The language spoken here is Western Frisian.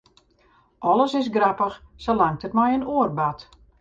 Alles is grappich, salang't it mei in oar bart.